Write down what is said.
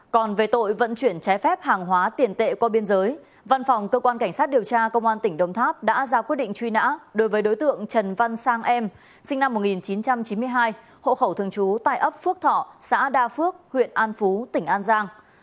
còn về tội vận chuyển trái phép hàng hóa tiền tệ qua biên giới văn phòng cơ quan cảnh sát điều tra công an tỉnh đồng tháp đã ra quyết định truy nã đối với đối tượng trần văn sang em sinh năm một nghìn chín trăm chín mươi hai hộ khẩu thường trú tại ấp phước thọ xã đa phước huyện an phú tỉnh an giang